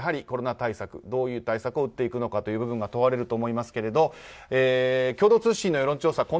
コロナ対策、どういう対策を打っていくのかという部分が問われると思いますけど共同通信の世論調査